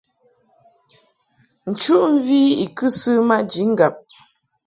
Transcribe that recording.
Nchuʼmvi i kɨsɨ maji ŋgab.